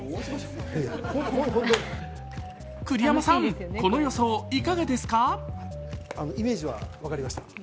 栗山さん、この予想いかがですか。